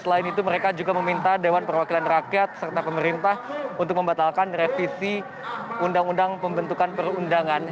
selain itu mereka juga meminta dewan perwakilan rakyat serta pemerintah untuk membatalkan revisi undang undang pembentukan perundangan